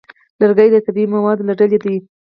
لرګی د طبیعي موادو له ډلې دی.